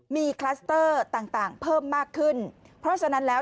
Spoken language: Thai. มีคลัสเตอร์ต่างต่างเพิ่มมากขึ้นเพราะฉะนั้นแล้ว